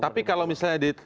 tapi kalau misalnya di